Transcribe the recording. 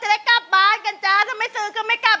ได้กลับบ้านกันจ้าถ้าไม่ซื้อก็ไม่กลับ